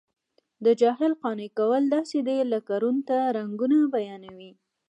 د جاهل قانع کول داسې دي لکه ړوند ته رنګونه بیانوي.